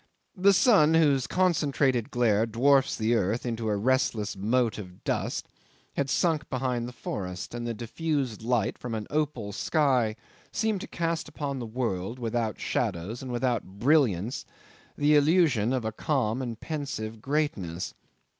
The sun, whose concentrated glare dwarfs the earth into a restless mote of dust, had sunk behind the forest, and the diffused light from an opal sky seemed to cast upon a world without shadows and without brilliance the illusion of a calm and pensive greatness.